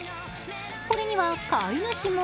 これには飼い主も